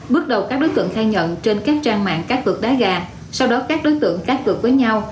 bước đầu các đối tượng khai nhận trên các trang mạng các vượt đá gà sau đó các đối tượng các vượt với nhau